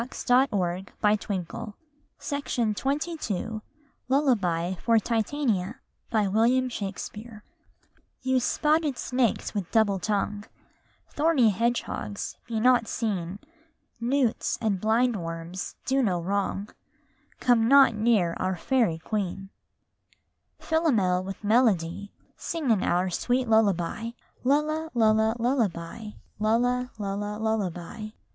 John Bunyan RAINBOW GOLD LULLABY FOR TITANIA First Fairy You spotted snakes with double tongue, Thorny hedgehogs, be not seen; Newts, and blind worms, do no wrong; Come not near our fairy queen. Chorus Philomel with melody Sing in our sweet lullaby! Lulla, lulla, lullaby; lulla, lulla, lullaby!